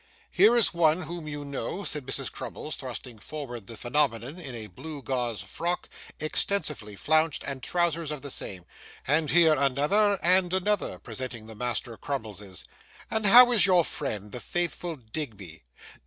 'Here is one whom you know,' said Mrs. Crummles, thrusting forward the Phenomenon in a blue gauze frock, extensively flounced, and trousers of the same; 'and here another and another,' presenting the Master Crummleses. 'And how is your friend, the faithful Digby?